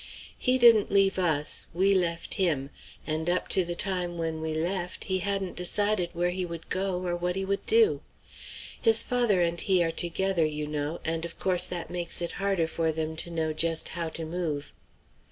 "He didn't leave us; we left him; and up to the time when we left he hadn't decided where he would go or what he would do. His father and he are together, you know, and of course that makes it harder for them to know just how to move."